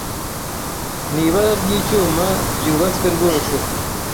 ni ibara ry'icyuma ryubatswe rwose